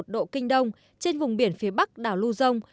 một trăm hai mươi một độ kinh đông trên vùng biển phía bắc đảo lưu dông